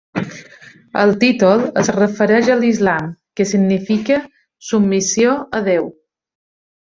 El títol es refereix a l'islam, que significa submissió a Déu.